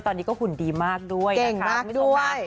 ตอนนี้ก็หุ่นดีมากด้วยนะคะเก่งมากด้วย